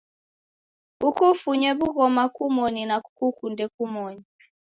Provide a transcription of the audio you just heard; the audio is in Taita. Kukufuye w'ughoma kumoni na kukukunde kumoni.